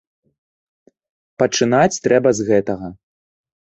Пачынаць трэба з гэтага.